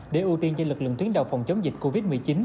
để ưu tiên cho lực lượng tuyến đầu phòng chống dịch covid một mươi chín